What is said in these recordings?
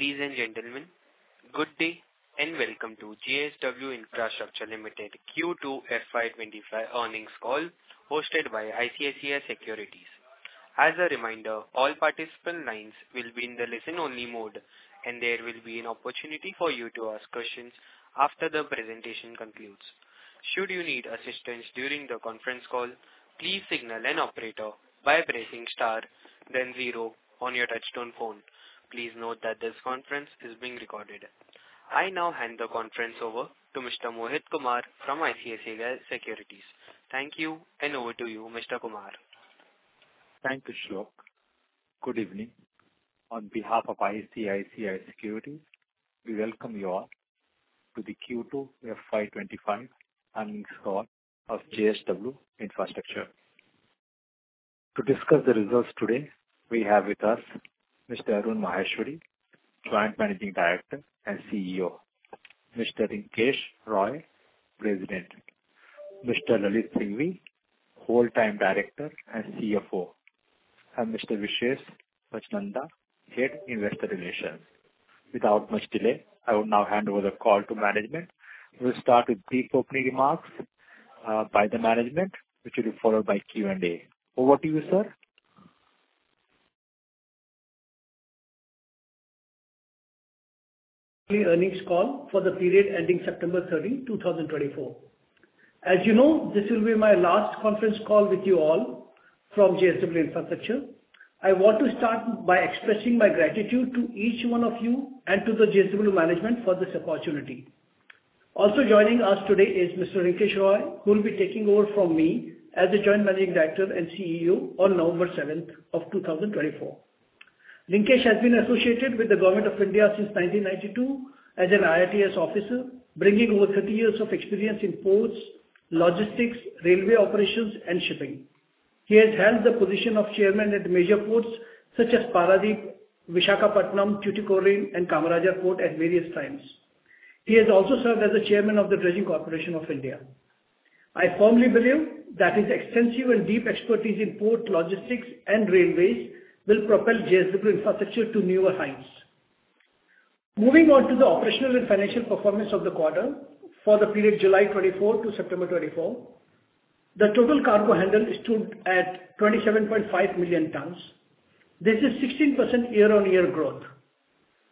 Ladies and gentlemen, good day, and welcome to JSW Infrastructure Limited Q2 FY25 earnings call, hosted by ICICI Securities. As a reminder, all participant lines will be in the listen-only mode, and there will be an opportunity for you to ask questions after the presentation concludes. Should you need assistance during the conference call, please signal an operator by pressing star then zero on your touchtone phone. Please note that this conference is being recorded. I now hand the conference over to Mr. Mohit Kumar from ICICI Securities. Thank you, and over to you, Mr. Kumar. Thank you, Shlok. Good evening. On behalf of ICICI Securities, we welcome you all to the Q2 FY25 earnings call of JSW Infrastructure. To discuss the results today, we have with us Mr. Arun Maheshwari, Joint Managing Director and CEO, Mr. Rinkesh Roy, President, Mr. Lalit Singhvi, Whole-time Director and CFO, and Mr. Vishesh Pachnanda, Head, Investor Relations. Without much delay, I will now hand over the call to management. We'll start with brief opening remarks by the management, which will be followed by Q&A. Over to you, sir. Earnings call for the period ending September 30, 2024. As you know, this will be my last conference call with you all from JSW Infrastructure. I want to start by expressing my gratitude to each one of you and to the JSW management for this opportunity. Also joining us today is Mr. Rinkesh Roy, who will be taking over from me as the Joint Managing Director and CEO on November 7, 2024. Rinkesh has been associated with the Government of India since 1992 as an IAS officer, bringing over 30 years of experience in ports, logistics, railway operations, and shipping. He has held the position of chairman at major ports such as Paradip, Visakhapatnam, Tuticorin, and Kamarajar Port at various times. He has also served as the Chairman of the Dredging Corporation of India. I firmly believe that his extensive and deep expertise in port, logistics, and railways will propel JSW Infrastructure to newer heights. Moving on to the operational and financial performance of the quarter, for the period July 2024 to September 2024, the total cargo handled stood at 27.5 million tons. This is 16% year-on-year growth.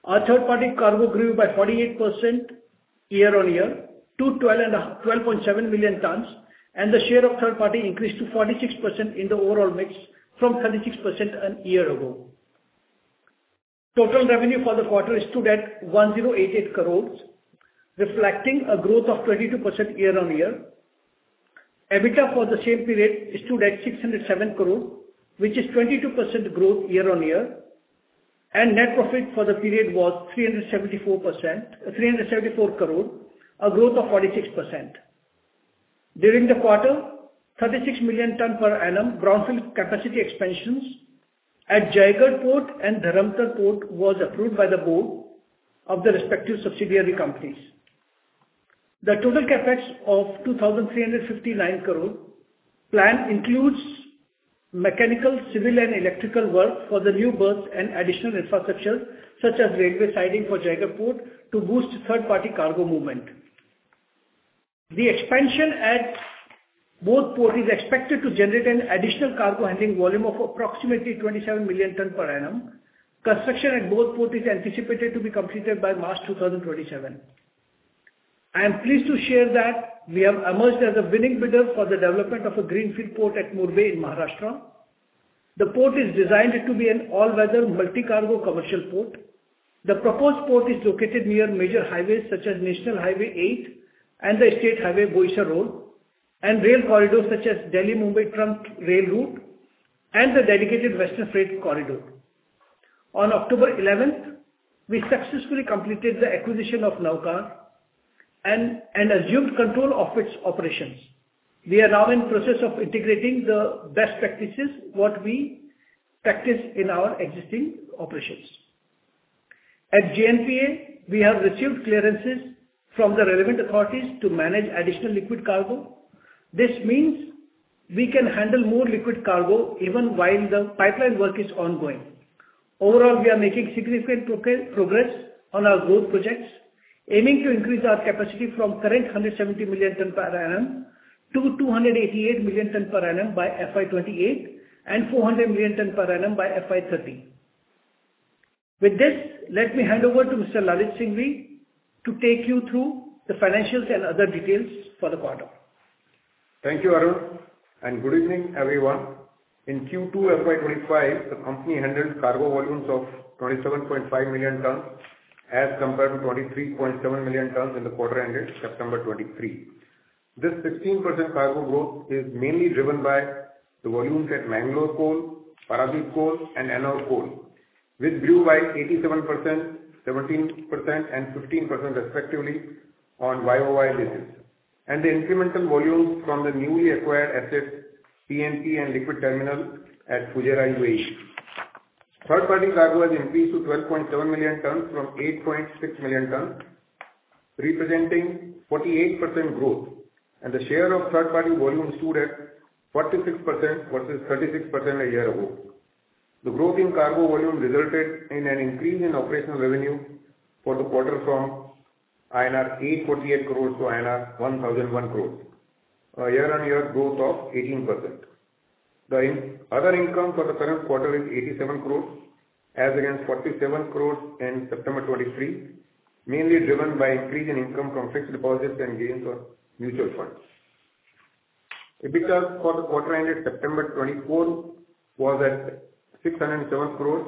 Our third-party cargo grew by 48% year-on-year to 12.7 million tons, and the share of third party increased to 46% in the overall mix from 36% a year ago. Total revenue for the quarter stood at 1,088 crores, reflecting a growth of 22% year-on-year. EBITDA for the same period stood at 607 crore, which is 22% growth year-on-year, and net profit for the period was three hundred and seventy-four crore, a growth of 46%. During the quarter, 36 million ton per annum brownfield capacity expansions at Jaigarh Port and Dharamtar Port was approved by the board of the respective subsidiary companies. The total CapEx of 2,359 crore plan includes mechanical, civil, and electrical work for the new berths and additional infrastructure, such as railway siding for Jaigarh Port, to boost third-party cargo movement. The expansion at both ports is expected to generate an additional cargo handling volume of approximately 27 million ton per annum. Construction at both ports is anticipated to be completed by March 2027. I am pleased to share that we have emerged as a winning bidder for the development of a greenfield port at Murbe in Maharashtra. The port is designed to be an all-weather multi-cargo commercial port. The proposed port is located near major highways, such as National Highway 8 and the State Highway Boisar Road, and rail corridors, such as Delhi-Mumbai Trunk Rail Route and the Western Dedicated Freight Corridor. On October eleventh, we successfully completed the acquisition of Navkar and assumed control of its operations. We are now in process of integrating the best practices, what we practice in our existing operations. At JNPA, we have received clearances from the relevant authorities to manage additional liquid cargo. This means we can handle more liquid cargo even while the pipeline work is ongoing. Overall, we are making significant progress on our growth projects, aiming to increase our capacity from current 170 million ton per annum to 288 million ton per annum by FY 2028, and 400 million ton per annum by FY 2030. With this, let me hand over to Mr. Lalit Singhvi to take you through the financials and other details for the quarter. Thank you, Arun, and good evening, everyone. In Q2 FY25, the company handled cargo volumes of 27.5 million tons as compared to 23.7 million tons in the quarter ended September 2023. This 15% cargo growth is mainly driven by the volumes at Mangalore Coal, Paradip Coal, and Ennore Coal, which grew by 87%, 17%, and 15% respectively on YOY basis, and the incremental volumes from the newly acquired assets, PNP and Liquid Terminal at Fujairah, UAE. Third-party cargo has increased to 12.7 million tons from 8.6 million tons, representing 48% growth, and the share of third-party volume stood at 46% versus 36% a year ago. The growth in cargo volume resulted in an increase in operational revenue for the quarter from INR 848 crores to INR 1,001 crores, a year-on-year growth of 18%. The other income for the current quarter is 87 crores, as against 47 crores in September 2023, mainly driven by increase in income from fixed deposits and gains on mutual funds. EBITDA for the quarter ended September 2024 was at 607 crores,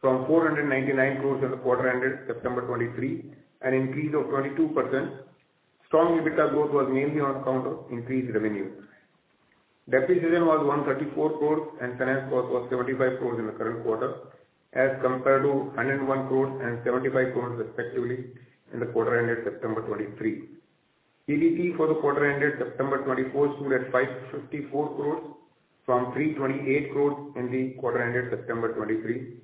from 499 crores in the quarter ended September 2023, an increase of 22%. Strong EBITDA growth was mainly on account of increased revenue. Depreciation was 134 crores, and finance cost was 75 crores in the current quarter, as compared to 101 crores and 75 crores, respectively, in the quarter ended September 2023. EBITDA for the quarter ended September 2024 stood at 554 crore from 328 crore in the quarter ended September 2023,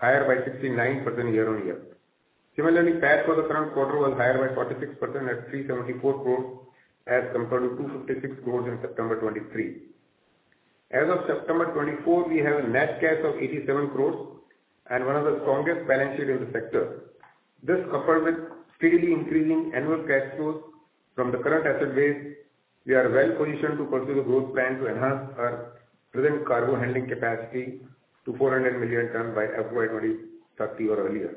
higher by 69% year-on-year. Similarly, PAT for the current quarter was higher by 46% at 374 crore, as compared to 256 crore in September 2023. As of September 2024, we have a net cash of 87 crore and one of the strongest financially in the sector. This, coupled with steadily increasing annual cash flows from the current asset base, we are well positioned to pursue a growth plan to enhance our present cargo handling capacity to 400 million tons by FY 2030 or earlier.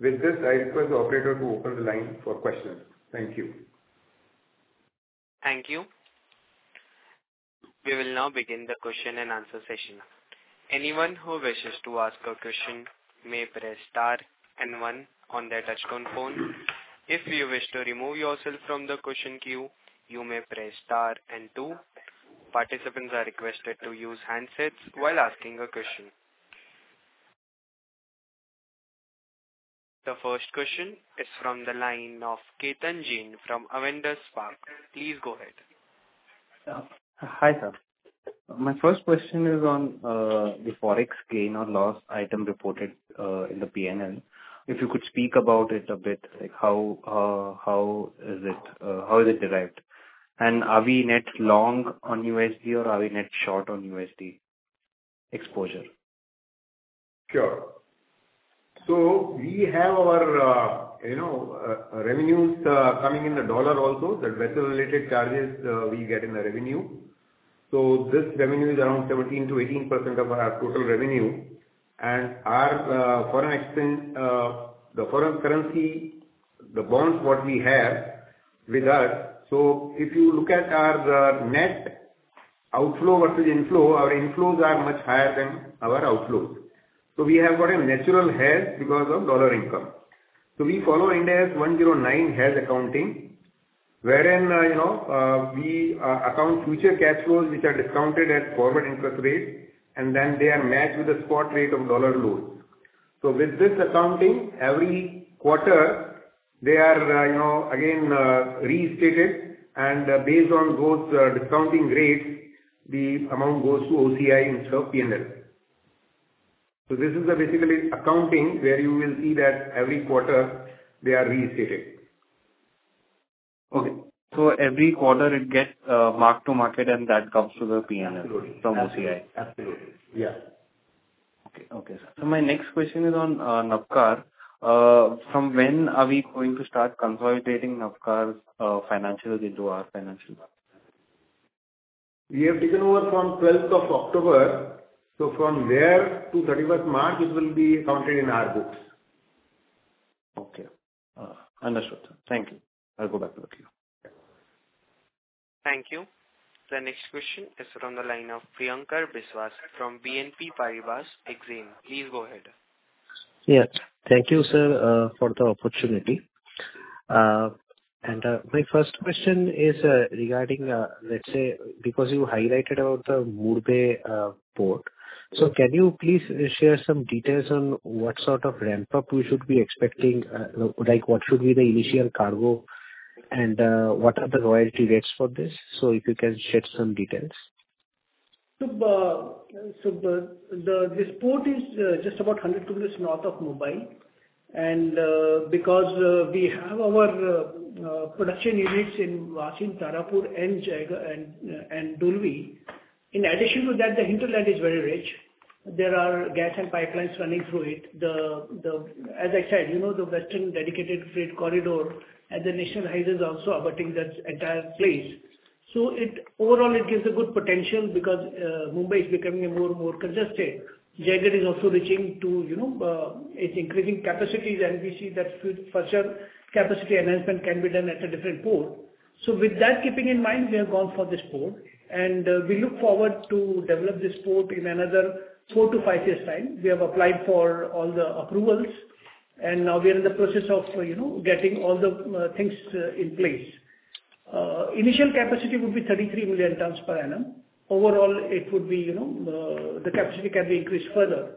With this, I request the operator to open the line for questions. Thank you. Thank you. We will now begin the question and answer session. Anyone who wishes to ask a question may press star and one on their touchtone phone. If you wish to remove yourself from the question queue, you may press star and two. Participants are requested to use handsets while asking a question. The first question is from the line of Ketan Jain from Avendus Spark. Please go ahead. Hi, sir. My first question is on the Forex gain or loss item reported in the P&L. If you could speak about it a bit, like, how is it derived? And are we net long on USD or are we net short on USD exposure? Sure. So we have our, you know, revenues coming in the dollar also, the vessel-related charges we get in the revenue. So this revenue is around 17% to 18% of our total revenue. And our foreign exchange, the foreign currency, the bonds what we have with us, so if you look at our net outflow versus inflow, our inflows are much higher than our outflows. So we have got a natural hedge because of dollar income. So we follow Ind AS 109 hedge accounting, wherein, you know, we account future cash flows which are discounted at forward interest rate, and then they are matched with the spot rate of dollar loans. So with this accounting, every quarter, they are, you know, again, restated, and based on those, discounting rates, the amount goes to OCI instead of P&L. So this is basically accounting, where you will see that every quarter they are restated. Okay. So every quarter it gets marked to market, and that comes to the P&L- Absolutely. From OCI. Absolutely. Yeah. Okay, okay, sir. My next question is on Navkar. From when are we going to start consolidating Navkar's financials into our financials? We have taken over from twelfth of October, so from there to thirty-first March, it will be counted in our books. Okay. Understood, sir. Thank you. I'll go back to the queue. Thank you. The next question is from the line of Priyamkar Biswas from BNP Paribas Exane. Please go ahead. Yes. Thank you, sir, for the opportunity, and my first question is regarding, let's say, because you highlighted about the Murbe Port, so can you please share some details on what sort of ramp-up we should be expecting? Like, what should be the initial cargo, and what are the royalty rates for this, so if you can share some details? So, this port is just about 100 kilometers north of Mumbai, and because we have our production units in Vasind, Tarapur, and Jaigarh and Dolvi. In addition to that, the hinterland is very rich. There are gas and pipelines running through it. As I said, you know, the western dedicated freight corridor and the national highway is also abutting that entire place. So overall, it gives a good potential because Mumbai is becoming more and more congested. Jaigarh is also reaching to, you know, its increasing capacities, and we see that future capacity enhancement can be done at a different port. So with that keeping in mind, we have gone for this port, and we look forward to develop this port in another four to five years' time. We have applied for all the approvals, and now we are in the process of, you know, getting all the things in place. Initial capacity would be thirty-three million tons per annum. Overall, it would be, you know, the capacity can be increased further.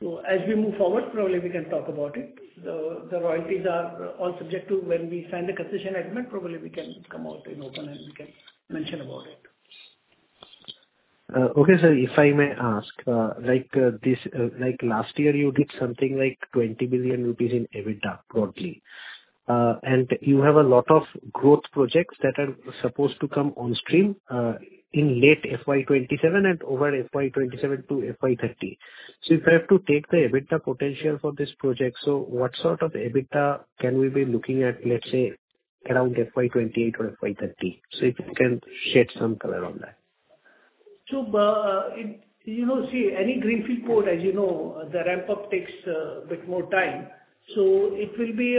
So as we move forward, probably we can talk about it. The royalties are all subject to when we sign the concession agreement, probably we can come out in open, and we can mention about it.... Okay, sir, if I may ask, like, this, like last year, you did something like 20 billion rupees in EBITDA broadly. And you have a lot of growth projects that are supposed to come on stream, in late FY 2027 and over FY 2027 to FY 2030. So if I have to take the EBITDA potential for this project, so what sort of EBITDA can we be looking at, let's say, around FY 2028 or FY 2030? So if you can shed some color on that. So, you know, see, any greenfield port, as you know, the ramp-up takes a bit more time, so it will be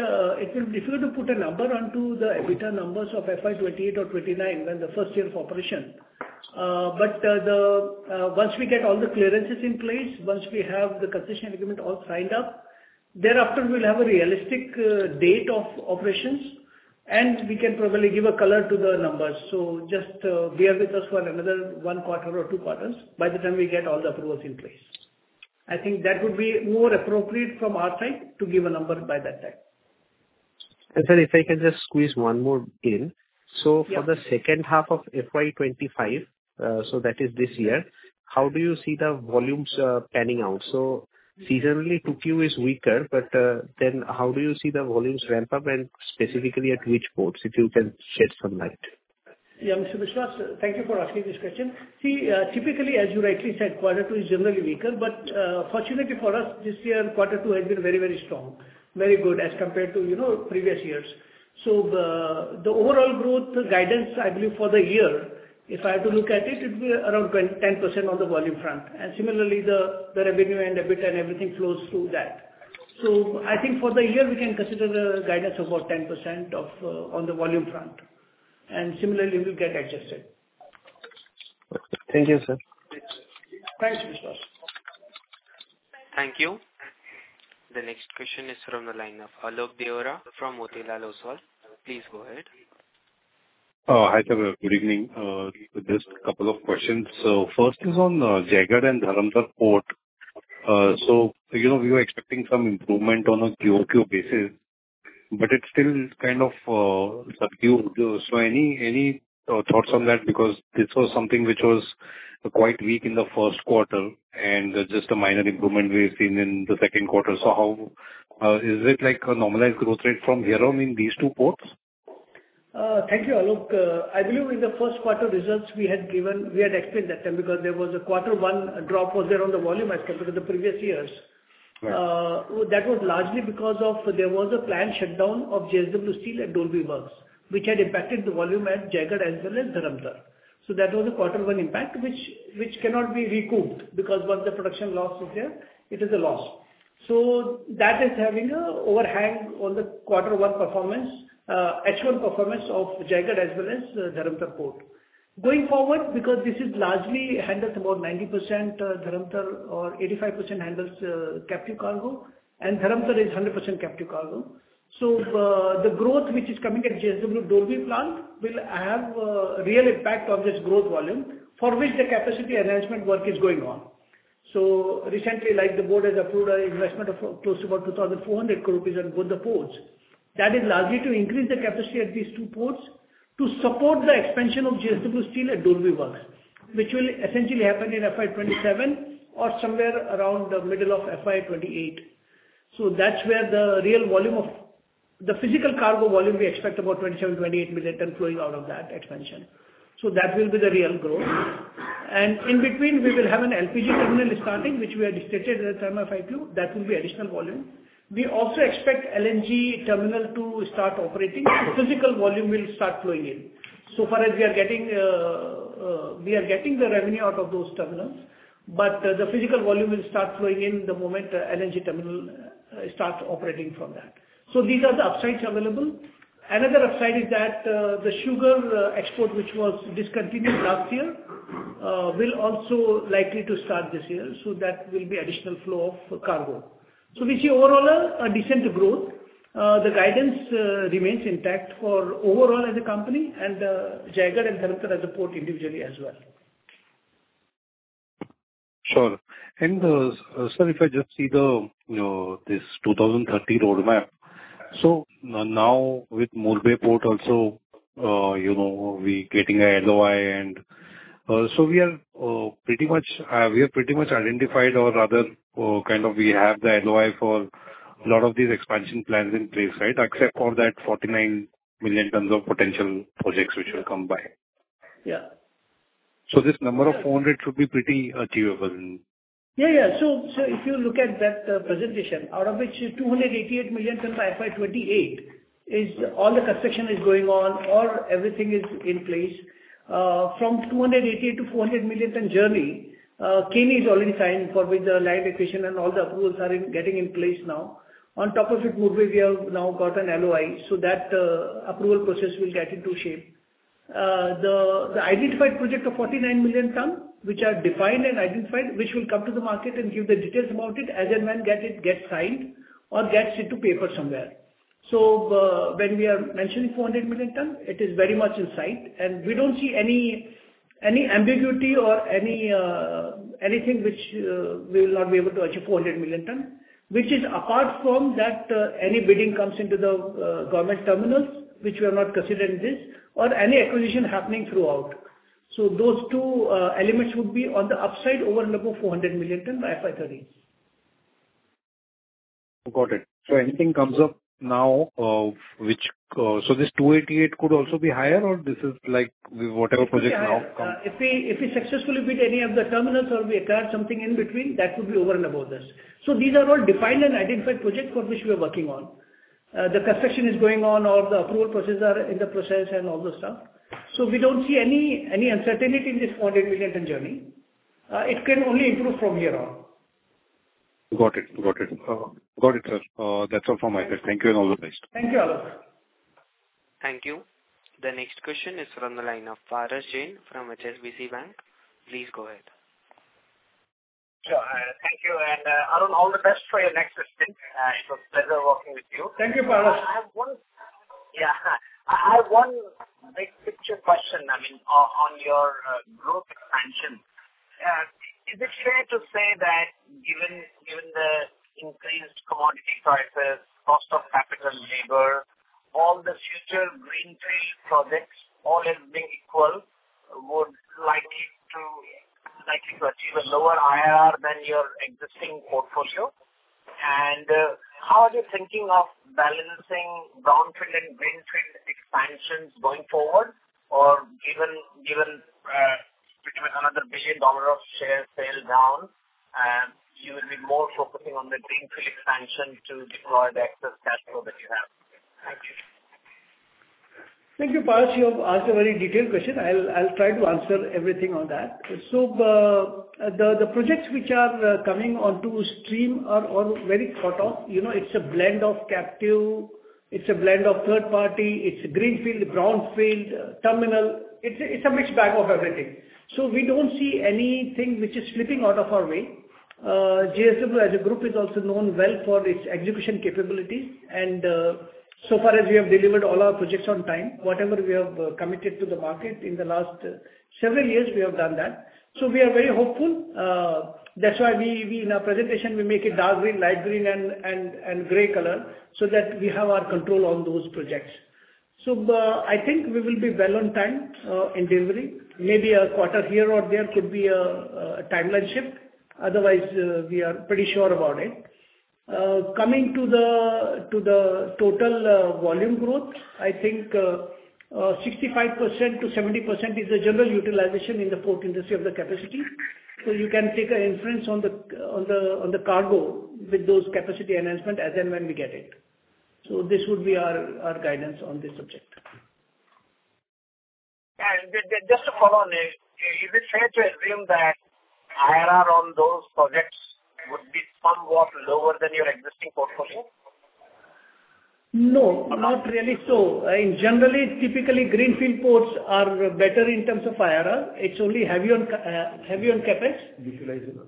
difficult to put a number onto the EBITDA numbers of FY28 or twenty-nine, when the first year of operation. But once we get all the clearances in place, once we have the concession agreement all signed up, thereafter, we'll have a realistic date of operations, and we can probably give a color to the numbers. So just bear with us for another one quarter or two quarters, by the time we get all the approvals in place. I think that would be more appropriate from our side to give a number by that time. Sir, if I can just squeeze one more in. Yeah. So for the second half of FY25, so that is this year, how do you see the volumes panning out? So seasonally, 2Q is weaker, but then how do you see the volumes ramp up, and specifically at which ports? If you can shed some light. Yeah, Mr. Vishesh, thank you for asking this question. See, typically, as you rightly said, quarter two is generally weaker, but, fortunately for us, this year, quarter two has been very, very strong, very good as compared to, you know, previous years. So the overall growth guidance, I believe for the year, if I have to look at it, it'll be around 10% on the volume front, and similarly, the revenue and EBITDA and everything flows through that. So I think for the year, we can consider the guidance about 10% on the volume front, and similarly, we'll get adjusted. Thank you, sir. Thank you. Thank you. The next question is from the line of Alok Deora from Motilal Oswal. Please go ahead. Hi, sir, good evening. Just a couple of questions. So first is on Jaigarh and Dharamtar Port. So, you know, we were expecting some improvement on a QOQ basis, but it still is kind of subdued. So any thoughts on that? Because this was something which was quite weak in the first quarter, and just a minor improvement we've seen in the second quarter. So how... Is it like a normalized growth rate from here on in these two ports? Thank you, Alok. I believe in the first quarter results we had given, we had explained that time because there was a quarter one drop was there on the volume as compared to the previous years. Right. That was largely because of there was a planned shutdown of JSW Steel at Dolvi Works, which had impacted the volume at Jaigarh as well as Dharamtar. So that was a quarter one impact, which cannot be recouped, because once the production loss is there, it is a loss. So that is having an overhang on the quarter one performance, H1 performance of Jaigarh as well as Dharamtar Port. Going forward, because this largely handles about 90%, Dharamtar or 85% handles, captive cargo, and Dharamtar is 100% captive cargo. So, the growth which is coming at JSW Dolvi plant will have real impact on this growth volume, for which the capacity enhancement work is going on. So recently, like the board has approved an investment of close to about 2,400 crore rupees on both the ports. That is largely to increase the capacity at these two ports to support the expansion of JSW Steel at Dolvi Works, which will essentially happen in FY 2027 or somewhere around the middle of FY 2028. So that's where the real volume of... The physical cargo volume, we expect about 27-28 million tons flowing out of that expansion. So that will be the real growth, and in between, we will have an LPG terminal starting, which we had stated at time of IPO. That will be additional volume. We also expect LNG terminal to start operating, so physical volume will start flowing in. So far, as we are getting the revenue out of those terminals, but the physical volume will start flowing in the moment the LNG terminal starts operating from that. So these are the upsides available. Another upside is that, the sugar, export, which was discontinued last year, will also likely to start this year, so that will be additional flow of cargo. So we see overall a decent growth. The guidance, remains intact for overall as a company and, Jaigarh and Dharamtar as a port individually as well. Sure. And sir, if I just see the 2030 roadmap. So now with Murbe Port also, you know, we getting an LOI, and so we are pretty much, we are pretty much identified or rather kind of we have the LOI for a lot of these expansion plans in place, right? Except for that 49 million tons of potential projects which will come by. Yeah. This number of 400 should be pretty achievable. Yeah, yeah. So, so if you look at that presentation, out of which 288 million tons by FY 2028 is all the construction is going on, all everything is in place. From 288 to 400 million ton journey, Keni is already signed, for which the land acquisition and all the approvals are getting in place now. On top of it, Murbe, we have now got an LOI, so that approval process will get into shape. The identified project of 49 million ton, which are defined and identified, which will come to the market and give the details about it, as and when it gets signed or gets into paper somewhere. When we are mentioning 400 million ton, it is very much in sight, and we don't see any ambiguity or anything which we will not be able to achieve 400 million ton. Which is apart from that, any bidding comes into the government terminals, which we have not considered in this, or any acquisition happening throughout. Those two elements would be on the upside over and above 400 million ton by FY 30. Got it. So anything comes up now, which, so this two eighty-eight could also be higher, or this is like whatever project now come? If we successfully bid any of the terminals or we acquire something in between, that would be over and above this. So these are all defined and identified projects for which we are working on. The construction is going on, all the approval processes are in the process and all the stuff. So we don't see any uncertainty in this four hundred million ton journey. It can only improve from here on. Got it. Got it. Got it, sir. That's all from my side. Thank you and all the best. Thank you, Arun. Thank you. The next question is from the line of Paras Jain from HSBC Bank. Please go ahead. Sure. Thank you, and Arun, all the best for your next stint. It was a pleasure working with you. Thank you, Paras. I have one big picture question, I mean, on your growth expansion. Is it fair to say that given the increased commodity prices, cost of capital, labor, all the future greenfield projects, all else being equal, would likely achieve a lower IRR than your existing portfolio? And how are you thinking of balancing brownfield and greenfield expansions going forward? Or given another billion dollar of share sale down, you will be more focusing on the greenfield expansion to deploy the excess cash flow that you have? Thank you. Thank you, Paras. You have asked a very detailed question. I'll try to answer everything on that. So the projects which are coming onto stream are all very thought of. You know, it's a blend of captive, it's a blend of third party, it's greenfield, brownfield, terminal. It's a mixed bag of everything. So we don't see anything which is slipping out of our way. JSW, as a group, is also known well for its execution capabilities, and so far as we have delivered all our projects on time, whatever we have committed to the market in the last several years, we have done that. So we are very hopeful. That's why we in our presentation, we make it dark green, light green and gray color, so that we have our control on those projects. I think we will be well on time in delivery. Maybe a quarter here or there could be a timeline shift. Otherwise, we are pretty sure about it. Coming to the total volume growth, I think 65%-70% is the general utilization in the port industry of the capacity. You can take an inference on the cargo with those capacity enhancement as and when we get it. This would be our guidance on this subject. Just to follow on, is it fair to assume that IRR on those projects would be somewhat lower than your existing portfolio? No, not really so. Generally, typically, greenfield ports are better in terms of IRR. It's only heavy on CapEx. Utilization.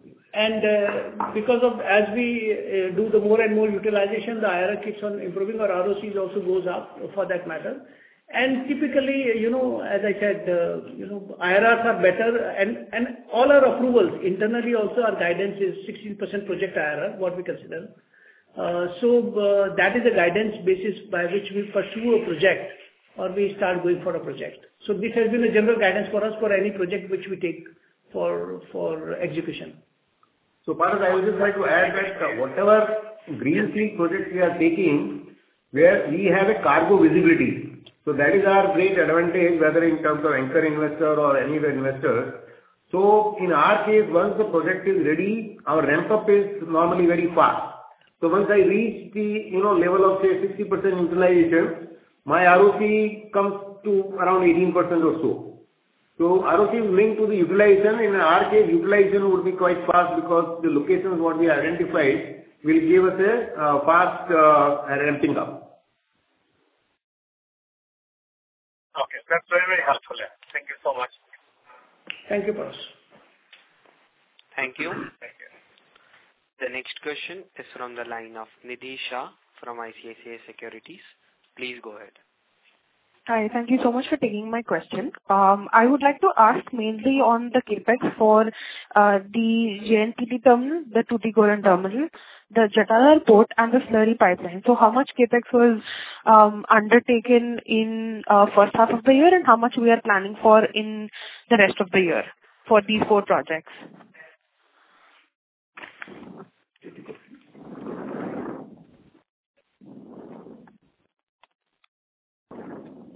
Because, as we do more and more utilization, the IRR keeps on improving, our ROCEs also goes up, for that matter. Typically, you know, as I said, you know, IRRs are better and all our approvals, internally, also, our guidance is 16% project IRR, what we consider. That is the guidance basis by which we pursue a project or we start going for a project. This has been a general guidance for us for any project which we take for execution. So Paras, I would just like to add that whatever greenfield projects we are taking, where we have a cargo visibility. So that is our great advantage, whether in terms of anchor investor or any investor. So in our case, once the project is ready, our ramp-up is normally very fast. So once I reach the, you know, level of, say, 60% utilization, my ROC comes to around 18% or so. So ROC linked to the utilization, in our case, utilization would be quite fast because the locations what we identified will give us a fast ramping up. Okay. That's very, very helpful. Yeah. Thank you so much. Thank you, Paras. Thank you. Thank you. The next question is from the line of Nidhi Shah from ICICI Securities. Please go ahead. Hi. Thank you so much for taking my question. I would like to ask mainly on the CapEx for the JNPA terminal, the Tuticorin terminal, the Jatadhar Port, and the slurry pipeline. So how much CapEx was undertaken in first half of the year, and how much we are planning for in the rest of the year for these four projects?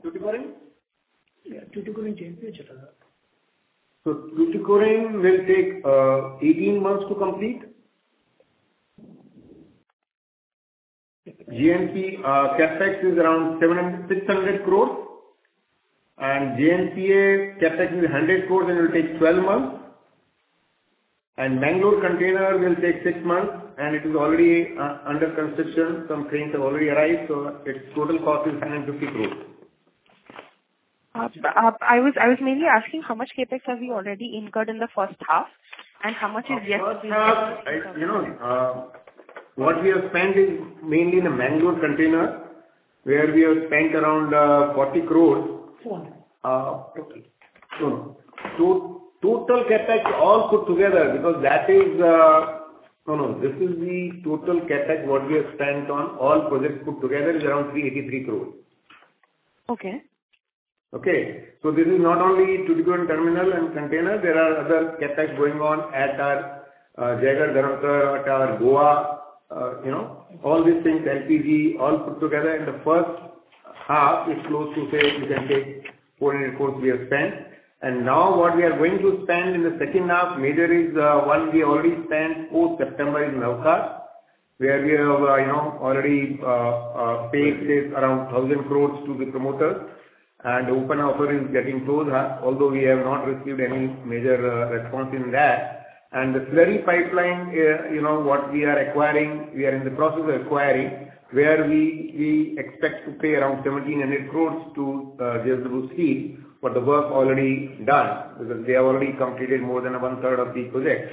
Tuticorin? Yeah, Tuticorin, JNPA, Jatadhar. Tuticorin will take 18 months to complete. JNPA CapEx is around 760 crore. JNPA CapEx is 100 crore, and it will take 12 months. Mangalore Container will take 6 months, and it is already under construction. Some cranes have already arrived, so its total cost is 150 crore. I was mainly asking how much CapEx have you already incurred in the first half, and how much is yet to be incurred? You know, what we have spent is mainly in the Mangalore Container... where we have spent around 40 crores. Four. Okay. So total CapEx all put together, because that is... No, no, this is the total CapEx, what we have spent on all projects put together is around 383 crore. Okay. Okay, so this is not only Tuticorin terminal and container. There are other CapEx going on at our Jatadhar, at our Goa, you know, all these things, LPG, all put together in the first half, is close to say, we can say, 400 crore we have spent. And now what we are going to spend in the second half, major is, one we already spent, post-September, in Navkar, where we have, you know, already, paid around 1,000 crore to the promoters. And open offer is getting closed, although we have not received any major, response in that. The slurry pipeline, you know, what we are acquiring, we are in the process of acquiring, where we expect to pay around 1,700 crores to JSW Steel, for the work already done, because they have already completed more than one-third of the project.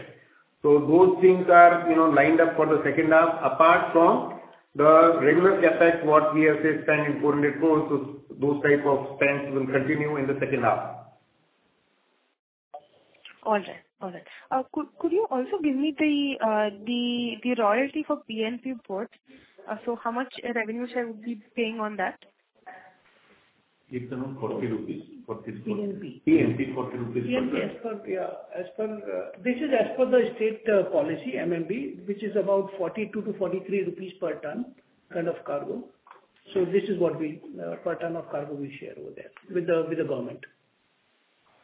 Those things are, you know, lined up for the second half, apart from the regular CapEx, what we have, say, spent in 400 crores. Those type of spends will continue in the second half. All right. All right. Could you also give me the royalty for PNP Port? So how much revenue share would be paying on that? It's around 40 rupees, 40 rupees. PNP. PNP, INR 40. PNP, as per, yeah, as per... This is as per the state policy, MMB, which is about 42-43 rupees per ton of cargo. This is what we per ton of cargo share over there with the government.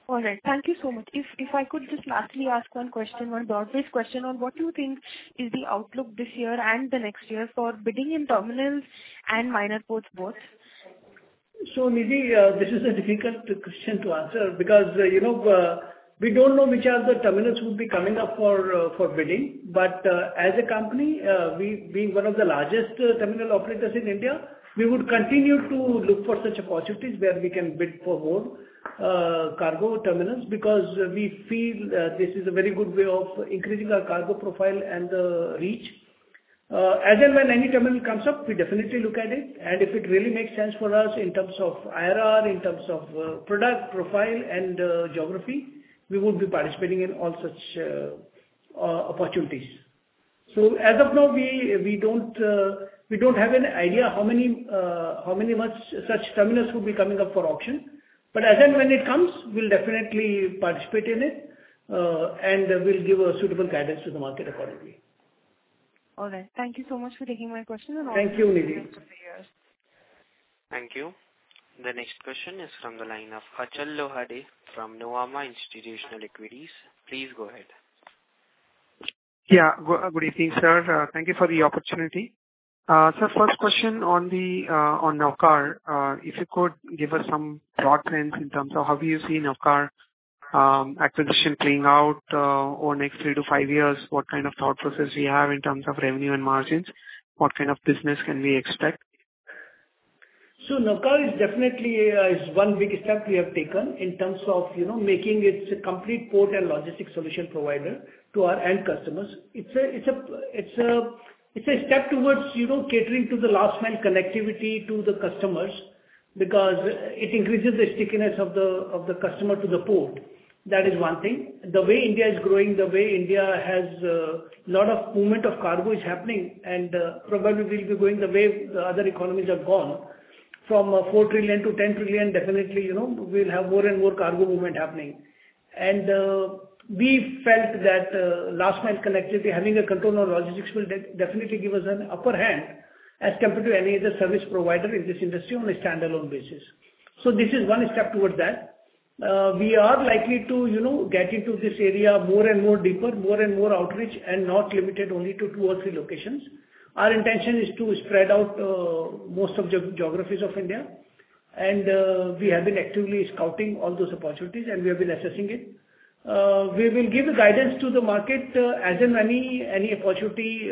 All right, thank you so much. If I could just lastly ask one question, one broad-based question on what you think is the outlook this year and the next year for bidding in terminals and minor ports both? So Nidhi, this is a difficult question to answer because, you know, we don't know which are the terminals would be coming up for, for bidding. But, as a company, we being one of the largest, terminal operators in India, we would continue to look for such opportunities where we can bid for more, cargo terminals, because we feel, this is a very good way of increasing our cargo profile and, reach. As and when any terminal comes up, we definitely look at it, and if it really makes sense for us in terms of IRR, in terms of, product profile and, geography, we would be participating in all such, opportunities. As of now, we don't have any idea how many such terminals will be coming up for auction. But as and when it comes, we'll definitely participate in it, and we'll give a suitable guidance to the market accordingly. All right. Thank you so much for taking my question and- Thank you, Nidhi. Thank you. The next question is from the line of Achal Lohade from Nuvama Institutional Equities. Please go ahead. Yeah. Good, good evening, sir, thank you for the opportunity. Sir, first question on Navkar. If you could give us some broad trends in terms of how do you see Navkar acquisition playing out, over next three to five years? What kind of thought process you have in terms of revenue and margins? What kind of business can we expect? Navkar is definitely is one big step we have taken in terms of, you know, making it a complete port and logistics solution provider to our end customers. It's a step towards, you know, catering to the last mile connectivity to the customers, because it increases the stickiness of the, of the customer to the port. That is one thing. The way India is growing, the way India has a lot of movement of cargo is happening, and, probably we'll be going the way the other economies have gone, from four trillion to ten trillion. Definitely, you know, we'll have more and more cargo movement happening. And, we felt that, last mile connectivity, having a control on logistics will definitely give us an upper hand as compared to any other service provider in this industry on a standalone basis. So this is one step towards that. We are likely to, you know, get into this area more and more deeper, more and more outreach, and not limited only to two or three locations. Our intention is to spread out, most of geographies of India. And, we have been actively scouting all those opportunities, and we have been assessing it. We will give guidance to the market, as and when any opportunity,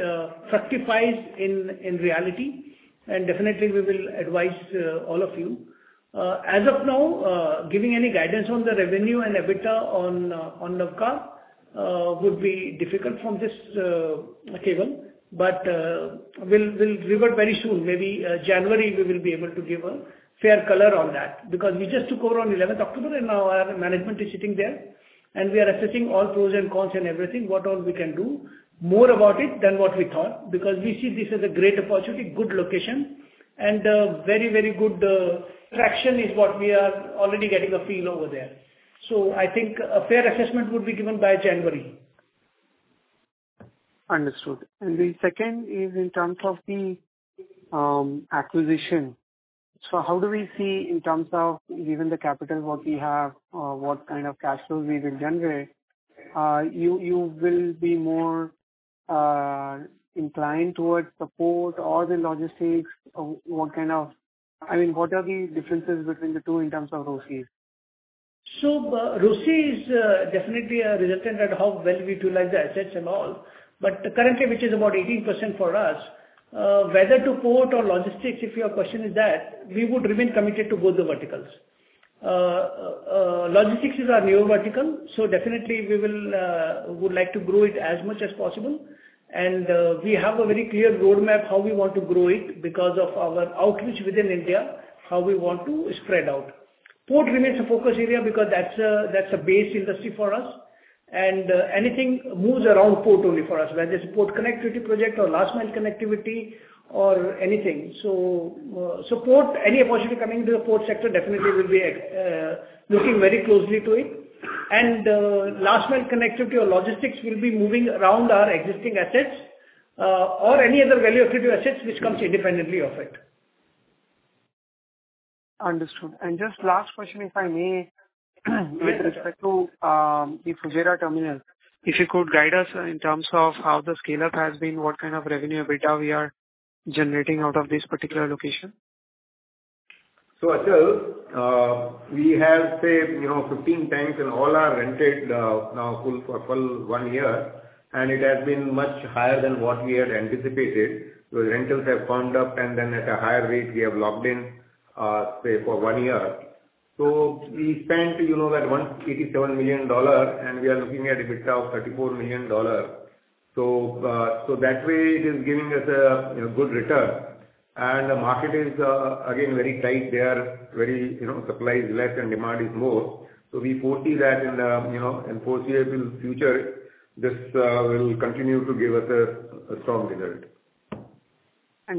fructifies in reality, and definitely we will advise, all of you. As of now, giving any guidance on the revenue and EBITDA on, on Navkar, would be difficult from this, table. But, we'll revert very soon. Maybe, January, we will be able to give a fair color on that, because we just took over on eleventh October, and now our management is sitting there, and we are assessing all pros and cons and everything, what all we can do more about it than what we thought. Because we see this as a great opportunity, good location, and, very, very good, traction is what we are already getting a feel over there. So I think a fair assessment would be given by January. Understood. And the second is in terms of the acquisition. So how do we see in terms of given the capital what we have, what kind of cash flows we will generate? You will be more inclined towards the port or the logistics, or what kind of... I mean, what are the differences between the two in terms of ROCEs? So, ROCE is definitely a resultant at how well we utilize the assets and all, but currently, which is about 18% for us, whether to port or logistics, if your question is that, we would remain committed to both the verticals. Logistics is our new vertical, so definitely we would like to grow it as much as possible. And, we have a very clear roadmap how we want to grow it because of our outreach within India, how we want to spread out. Port remains a focus area because that's a base industry for us, and anything moves around port only for us, whether it's port connectivity project or last mile connectivity or anything. So, port, any opportunity coming into the port sector, definitely we'll be looking very closely to it. Last mile connectivity or logistics will be moving around our existing assets, or any other value-additive assets which comes independently of it. Understood. And just last question, if I may, with respect to the Fujairah terminal. If you could guide us in terms of how the scale-up has been, what kind of revenue, EBITDA we are generating out of this particular location? So, Achal, we have, say, you know, fifteen tanks and all are rented, now full for full one year, and it has been much higher than what we had anticipated. So the rentals have firmed up, and then at a higher rate, we have locked in, say, for one year. So we spent, you know, on $187 million, and we are looking at EBITDA of $34 million. So, so that way it is giving us a good return. And the market is, again, very tight there. Very, you know, supply is less and demand is more. So we foresee that in the, you know, in four years in future, this, will continue to give us a strong result.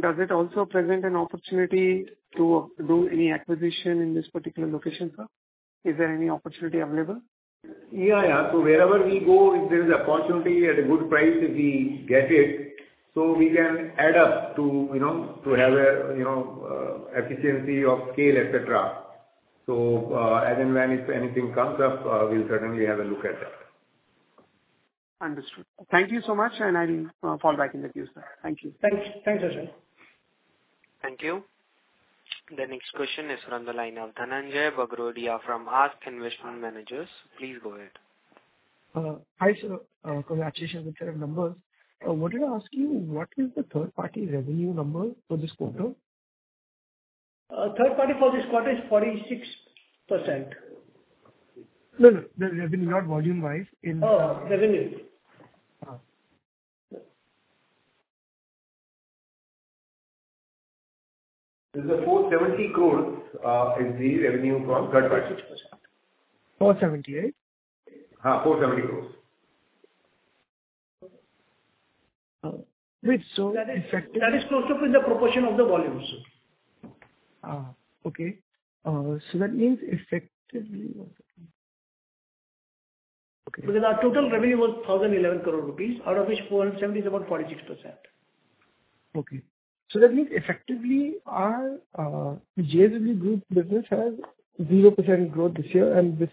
Does it also present an opportunity to do any acquisition in this particular location, sir? Is there any opportunity available? Yeah, yeah. So wherever we go, if there is an opportunity at a good price, we get it, so we can add up to, you know, to have a, you know, efficiency of scale, et cetera. So, as and when if anything comes up, we'll certainly have a look at that. Understood. Thank you so much, and I will fall back in the queue, sir. Thank you. Thanks. Thanks, Achal. Thank you. The next question is from the line of Dhananjay Bagrodia from ASK Investment Managers. Please go ahead. Hi, sir. Congratulations on the numbers. Wanted to ask you, what is the third-party revenue number for this quarter? Third party for this quarter is 46%. No, no, the revenue, not volume-wise, in- Oh, revenue. It's the 470 crore is the revenue from third party. 470, right? INR 470 crore. That is, that is close up in the proportion of the volume, sir. Okay. So that means effectively... Okay. Because our total revenue was 1,011 crore rupees, out of which 470 is about 46%. Okay. So that means effectively, our JSW group business has 0% growth this year, and this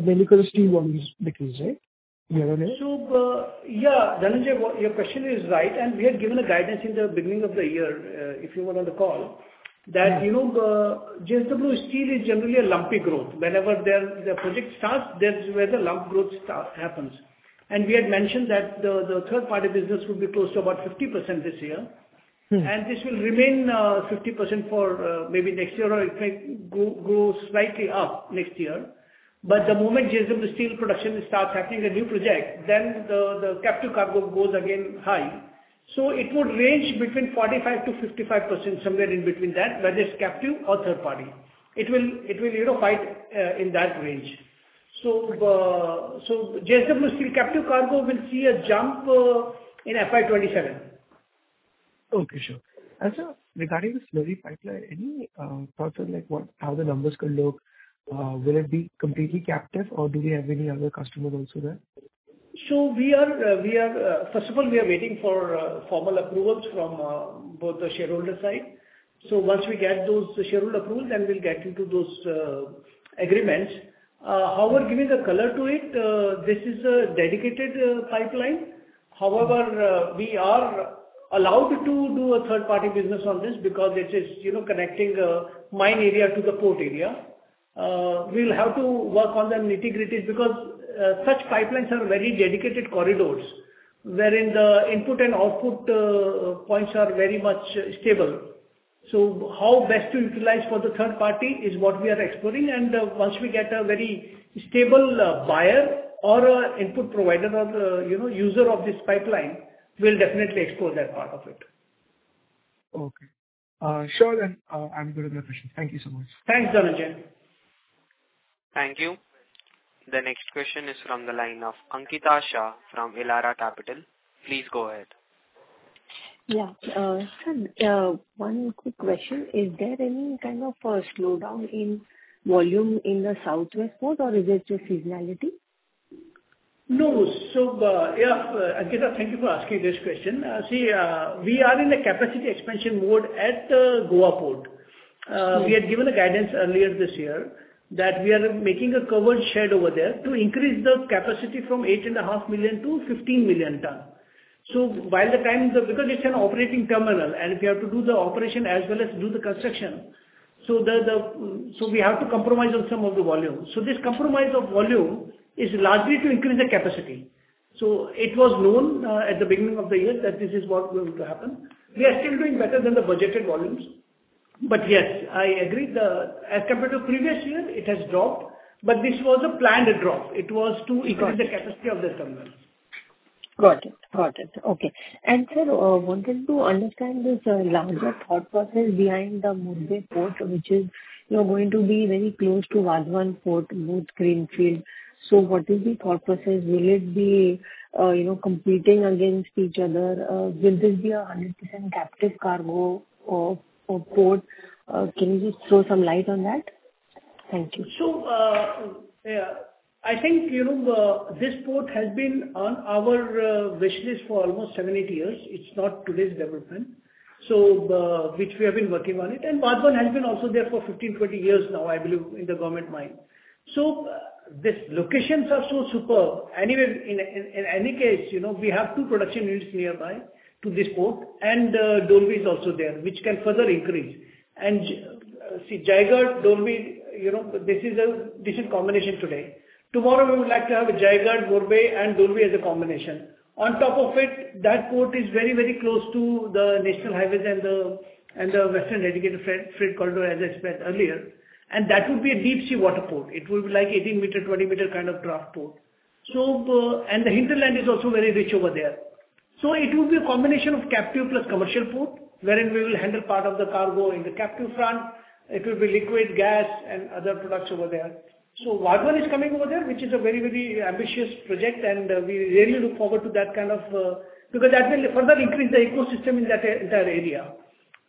mainly because the steel volumes decreased, right? More or less. Yeah, Dhananjay, your question is right, and we had given a guidance in the beginning of the year, if you were on the call- -that, you know, JSW Steel is generally a lumpy growth. Whenever their, the project starts, there's where the lump growth start, happens. And we had mentioned that the third-party business would be close to about 50% this year. This will remain 50% for maybe next year, or in fact, go slightly up next year. But the moment JSW Steel production starts happening a new project, then the captive cargo goes again high. It would range between 45%-55%, somewhere in between that, whether it's captive or third party. It will, you know, fit in that range. So JSW Steel captive cargo will see a jump in FY 2027. Okay, sure. And sir, regarding the slurry pipeline, any further, like, what, how the numbers could look? Will it be completely captive, or do we have any other customer also there? First of all, we are waiting for formal approvals from both the shareholder side. So once we get those shareholder approvals, then we'll get into those agreements. However, giving the color to it, this is a dedicated pipeline. However, we are allowed to do a third-party business on this because this is, you know, connecting mine area to the port area. We'll have to work on the nitty-gritty because such pipelines are very dedicated corridors, wherein the input and output points are very much stable. So how best to utilize for the third party is what we are exploring, and once we get a very stable buyer or a input provider or, you know, user of this pipeline, we'll definitely explore that part of it. Okay. Sure then, I'm good with the question. Thank you so much. Thanks, Dhananjay. Thank you. The next question is from the line of Ankita Shah from Elara Capital. Please go ahead. Yeah. Sir, one quick question. Is there any kind of a slowdown in volume in the southwest port, or is it just seasonality? No. So, yeah, Ankita, thank you for asking this question. See, we are in a capacity expansion mode at the Goa port. We had given a guidance earlier this year that we are making a covered shed over there to increase the capacity from 8.5 million to 15 million tons. So while the time... Because it is an operating terminal, and we have to do the operation as well as do the construction, so we have to compromise on some of the volume. So this compromise of volume is largely to increase the capacity. So it was known at the beginning of the year that this is what going to happen. We are still doing better than the budgeted volumes. But yes, I agree, as compared to previous year, it has dropped, but this was a planned drop. It was to- Got it. Increase the capacity of this company. Got it. Got it. Okay. And sir, wanted to understand this, larger thought process behind the Murbe Port, which is, you know, going to be very close to Vadhvan Port, both greenfield. So what is the thought process? Will it be, you know, competing against each other? Will this be 100% captive cargo or, or port? Can you just throw some light on that? Thank you. So, yeah, I think, you know, this port has been on our wish list for almost seven, eight years. It's not today's development. So, which we have been working on it, and Vadhvan has been also there for fifteen, twenty years now, I believe, in the government mind. So these locations are so superb. Anyway, in any case, you know, we have two production units nearby to this port, and Dolvi is also there, which can further increase. And see Jaigarh, Dolvi, you know, this is a combination today. Tomorrow, we would like to have Jaigarh, Murbe, and Dolvi as a combination. On top of it, that port is very, very close to the national highways and the Western Dedicated Freight Corridor, as I said earlier, and that would be a deep sea water port. It would be like 18-meter, 20-meter kind of draft port. So, and the hinterland is also very rich over there. So it will be a combination of captive plus commercial port, wherein we will handle part of the cargo in the captive front. It will be liquid gas and other products over there. So Vadhvan is coming over there, which is a very, very ambitious project, and we really look forward to that kind of. Because that will further increase the ecosystem in that entire area.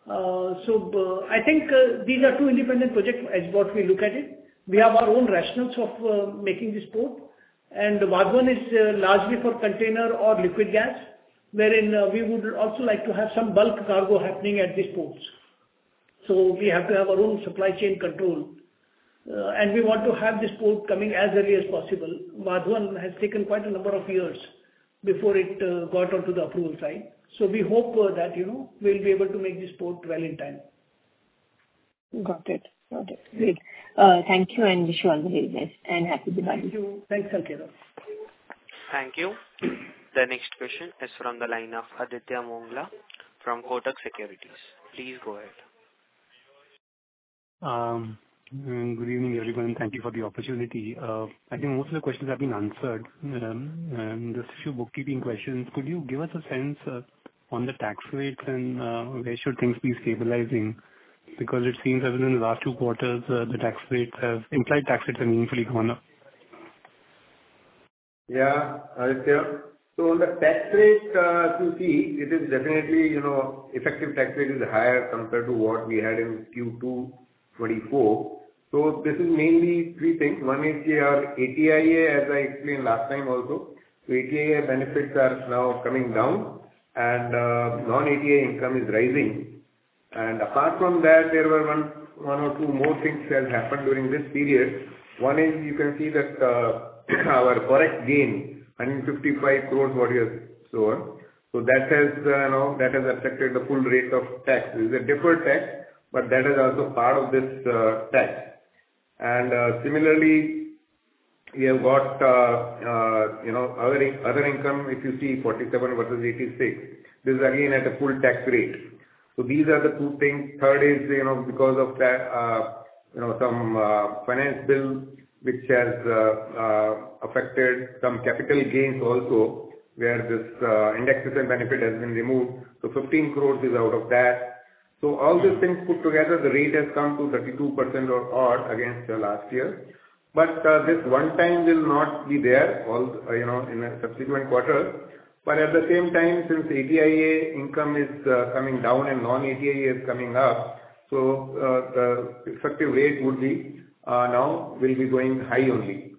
So I think these are two independent projects as what we look at it. We have our own rationales of making this port, and Vadhvan is largely for container or liquid gas, wherein we would also like to have some bulk cargo happening at these ports. So we have to have our own supply chain control, and we want to have this port coming as early as possible. Vadhvan has taken quite a number of years before it got onto the approval side. So we hope that, you know, we'll be able to make this port well in time. Got it. Got it. Great. Thank you and wish you all the very best and happy Diwali! Thank you. Thanks, Ankita. Thank you. The next question is from the line of Aditya Mongia from Kotak Securities. Please go ahead. Good evening, everyone, and thank you for the opportunity. I think most of the questions have been answered, just a few bookkeeping questions. Could you give us a sense on the tax rates and where should things be stabilizing? Because it seems as in the last two quarters, the implied tax rates have meaningfully gone up. Yeah, Aditya. So the tax rate, if you see, it is definitely, you know, effective tax rate is higher compared to what we had in Q2 2024. So this is mainly three things. One is your Section 80-IA, as I explained last time also. So Section 80-IA benefits are now coming down and non-Section 80-IA income is rising. And apart from that, there were one or two more things that happened during this period. One is you know can see that, our forex gain, 155 crores what we have shown. So that has, you know, that has affected the full rate of tax. It's a deferred tax, but that is also part of this tax. And, similarly, we have got, you know, other income, if you see 47 versus 86, this is again at a full tax rate. These are the two things. Third is, you know, because of that, you know, some finance bills, which has affected some capital gains also, where this indexation benefit has been removed, so 15 crores is out of that. So all these things put together, the rate has come to 32% or so against the last year. But this one time will not be there at all, you know, in the subsequent quarters. But at the same time, since 80-IA income is coming down and non-80-IA is coming up, so the effective rate would be now will be going high only.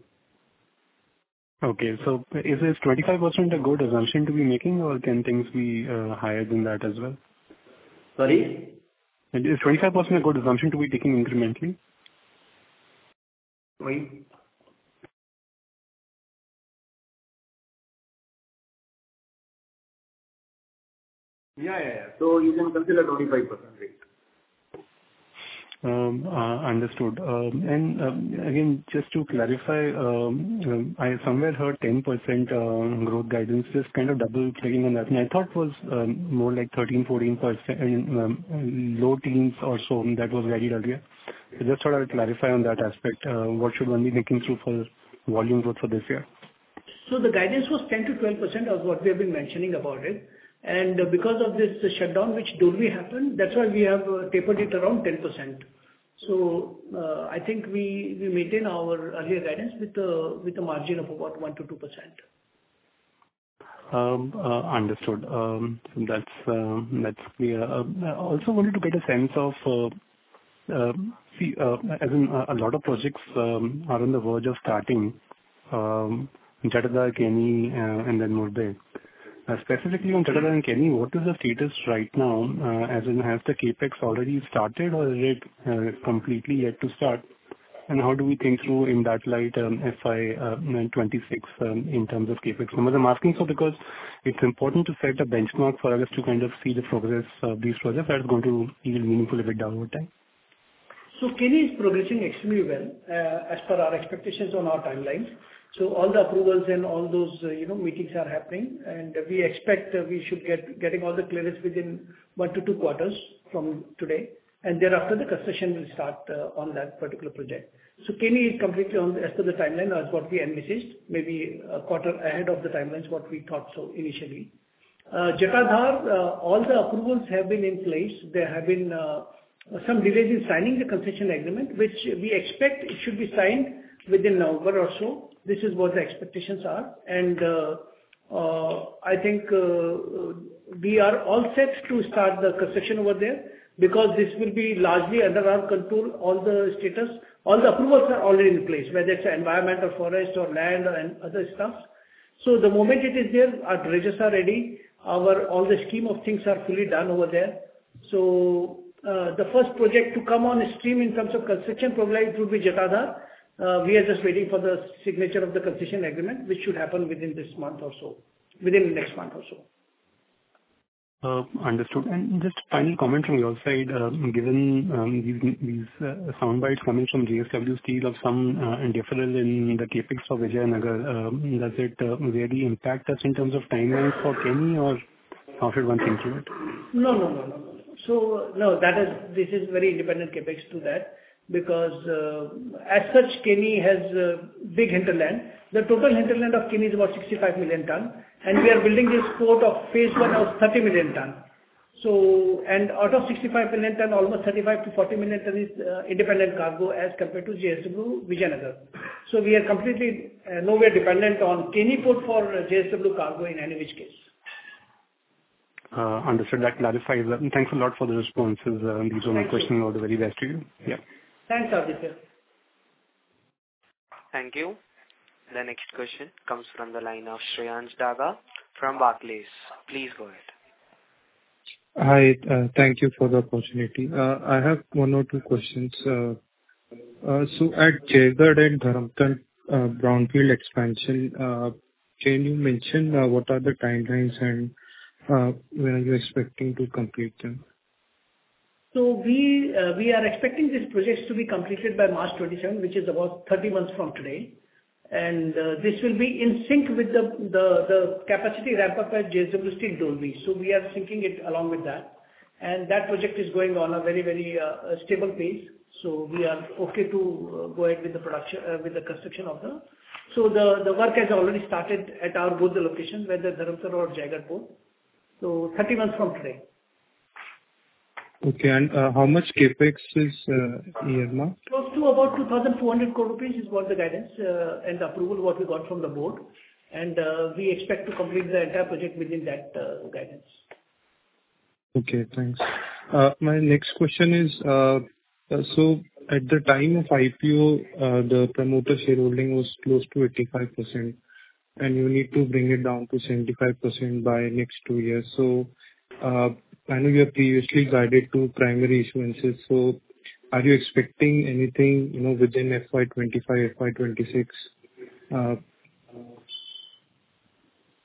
Okay. So is this 25% a good assumption to be making, or can things be higher than that as well? Sorry? Is 25% a good assumption to be taking incrementally? Sorry. Yeah, yeah, yeah. So you can consider 25% rate. Understood, and again, just to clarify, I somewhere heard 10% growth guidance. Just kind of double checking on that. I thought it was more like 13-14%, low teens or so, that was guided earlier. Just sort of clarify on that aspect, what should one be thinking through for volume growth for this year? So the guidance was 10-12% of what we have been mentioning about it. And because of this shutdown, which Dolvi happened, that's why we have tapered it around 10%. So, I think we maintain our earlier guidance with a margin of about 1-2%. Understood. That's clear. I also wanted to get a sense of, as in, a lot of projects are on the verge of starting, Jatadhar, Keni, and then Murbe. Specifically on Jatadhar and Keni, what is the status right now? As in, has the CapEx already started or is it completely yet to start? And how do we think through in that light, FY 2026, in terms of CapEx? And I'm asking so because it's important to set a benchmark for us to kind of see the progress of these projects that is going to be meaningfully built out over time.... Keni is progressing extremely well, as per our expectations on our timelines. All the approvals and all those, you know, meetings are happening, and we expect we should be getting all the clearance within one to two quarters from today, and thereafter, the concession will start on that particular project. Keni is completely on as per the timeline as what we envisaged, maybe a quarter ahead of the timelines what we thought so initially. Jatadhar, all the approvals have been in place. There have been some delays in signing the concession agreement, which we expect it should be signed within November or so. This is what the expectations are, and I think we are all set to start the concession over there because this will be largely underground control, all the status. All the approvals are already in place, whether it's environmental, forest or land and other stuff. So the moment it is there, our dredgers are ready, our, all the scheme of things are fully done over there. So, the first project to come on stream in terms of construction program, it will be Jatadhar. We are just waiting for the signature of the concession agreement, which should happen within this month or so, within the next month or so. Understood. And just final comment from your side, given these sound bites coming from JSW Steel of some deferral in the CapEx of Vijayanagar, does it really impact us in terms of timelines for Keni or how should one think about? No, no, no, no, no. No, that is, this is very independent CapEx to that, because, as such, Keni has a big hinterland. The total hinterland of Keni is about 65 million tons, and we are building this port of phase one of 30 million tons. Out of 65 million tons, almost 35-40 million tons is independent cargo as compared to JSW Vijayanagar. So we are completely nowhere dependent on Keni Port for JSW cargo in any which case. Understood. That clarifies it. Thanks a lot for the responses. These were my questions. Thank you. All the very best to you. Yeah. Thanks, Aditya. Thank you. The next question comes from the line of Shreyans Daga from Barclays. Please go ahead. Hi, thank you for the opportunity. I have one or two questions. So at Jaigarh and Dharamtar, brownfield expansion, can you mention what are the timelines and when are you expecting to complete them? We are expecting these projects to be completed by March 2027, which is about 30 months from today. This will be in sync with the capacity ramp up by JSW Steel Dolvi. We are syncing it along with that. That project is going on a very, very stable pace. We are okay to go ahead with the production with the construction of the. The work has already started at our both the locations, whether Dharamtar or Jaigarh both. 30 months from today. Okay. And how much CapEx is earmarked? Close to about 2,200 crore rupees is what the guidance and approval we got from the board. And, we expect to complete the entire project within that guidance. Okay, thanks. My next question is, so at the time of IPO, the promoter shareholding was close to 85%, and you need to bring it down to 75% by next two years. So, I know you have previously guided two primary issuances, so are you expecting anything, you know, within FY25, FY26?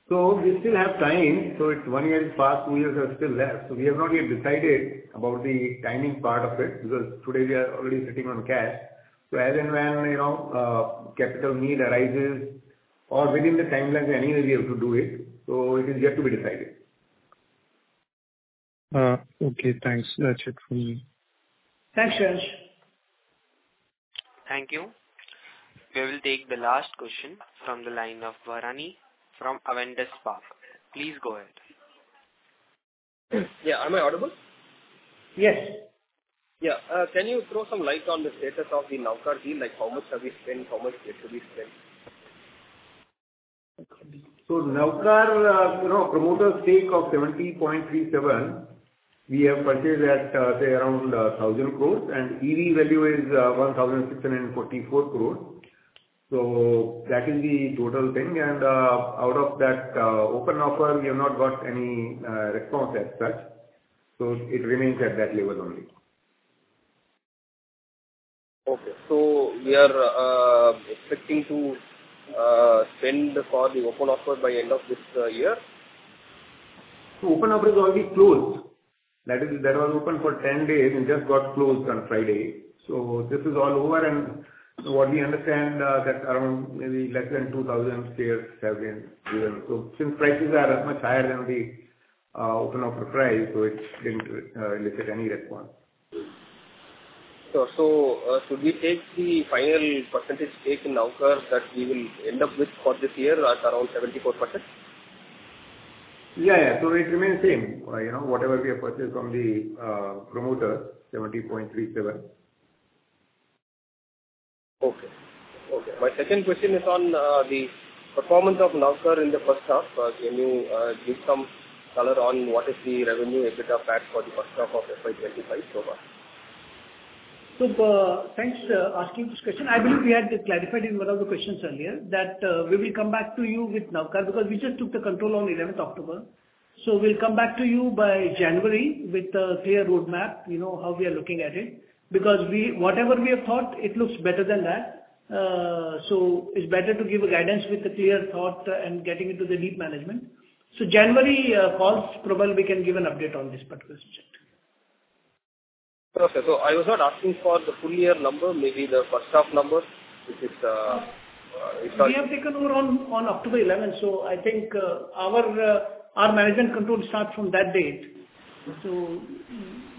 So we still have time. So it's one year is passed, two years are still left. So we have not yet decided about the timing part of it, because today we are already sitting on cash. So as and when, you know, capital need arises or within the timeline, we anyway have to do it, so it is yet to be decided. Okay, thanks. That's it from me. Thanks, Shreyans. Thank you. We will take the last question from the line of Bharani from Avendus Spark. Please go ahead. Yeah. Am I audible? Yes. Yeah. Can you throw some light on the status of the Navkar deal? Like, how much have we spent, how much yet to be spent? So Navkar, you know, promoter stake of 70.37%, we have purchased at, say, around, 1,000 crore, and EV value is 1,644 crore. So that is the total thing. And, out of that, open offer, we have not got any response as such, so it remains at that level only. Okay. So we are expecting to spend for the open offer by end of this year? Open Offer is already closed. That is, that was open for 10 days and just got closed on Friday. This is all over, and what we understand, that around maybe less than 2,000 shares have been given. Since prices are much higher than the Open Offer price, so it didn't elicit any response. Should we take the final percentage stake in Navkar that we will end up with for this year at around 74%? Yeah, yeah. So it remains same, you know, whatever we have purchased from the promoter, 70.37%. Okay. Okay, my second question is on the performance of Navkar in the first half. Can you give some color on what is the revenue EBITDA path for the first half of FY25 so far? So, thanks for asking this question. I believe we had clarified in one of the questions earlier that we will come back to you with Navkar, because we just took the control on eleventh October. So we'll come back to you by January with a clear roadmap, you know, how we are looking at it. Because whatever we have thought, it looks better than that. So it's better to give a guidance with a clear thought and getting into the deep management. So January calls, probably we can give an update on this particular subject. Perfect. So I was not asking for the full year number, maybe the first half number, which is, it's not- We have taken over on October eleventh, so I think our management control starts from that date. So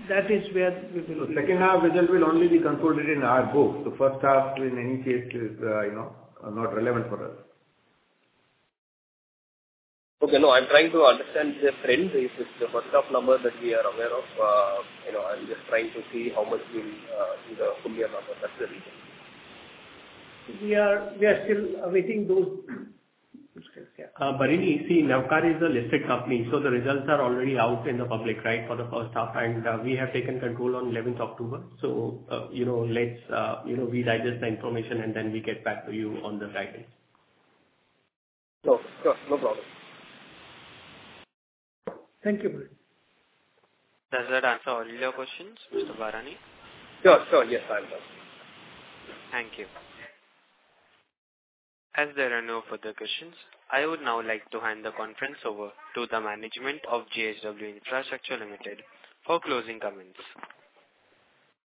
that is where we will- So second half results will only be consolidated in our books. The first half, in any case, is, you know, not relevant for us. Okay, no, I'm trying to understand the trend. This is the first half number that we are aware of, you know, I'm just trying to see how much we, in the full year number. That's the reason. We are still awaiting those. Bharani, see, Navkar is a listed company, so the results are already out in the public, right, for the first half, and we have taken control on eleventh October, so you know, let's... You know, we digest the information, and then we get back to you on the guidance. Sure. Sure, no problem. Thank you, Bharani. Does that answer all your questions, Mr. Bharani? Sure, sure. Yes, I'm done. Thank you. As there are no further questions, I would now like to hand the conference over to the management of JSW Infrastructure Limited for closing comments.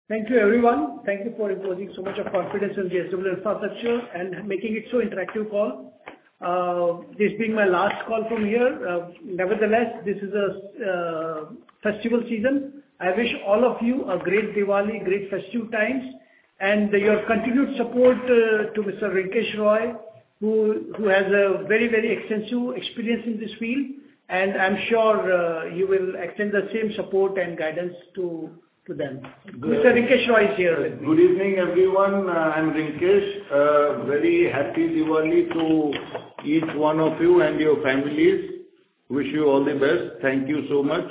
Thank you, everyone. Thank you for reposing so much confidence in JSW Infrastructure and making it so interactive call. This being my last call from here, nevertheless, this is a festival season. I wish all of you a great Diwali, great festival times, and your continued support to Mr. Rinkesh Roy, who has a very extensive experience in this field, and I'm sure you will extend the same support and guidance to them. Good. Mr. Rinkesh Roy is here with me. Good evening, everyone, I'm Rinkesh. Very happy Diwali to each one of you and your families. Wish you all the best. Thank you so much.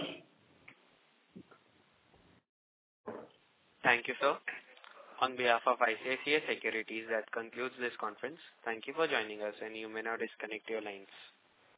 Thank you, sir. On behalf of ICICI Securities, that concludes this conference. Thank you for joining us, and you may now disconnect your lines.